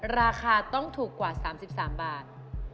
ราคาต้องถูกกว่า๓๓บาท